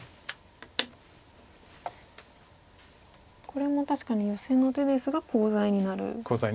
これも確かにヨセの手ですがコウ材になるんですね。